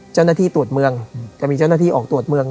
เจ้าหน้าที่ตรวจเมืองจะมีเจ้าหน้าที่ออกตรวจเมือง